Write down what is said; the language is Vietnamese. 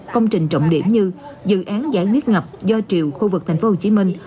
công trình trọng điểm như dự án giải quyết ngập do triều khu vực thành phố hồ chí minh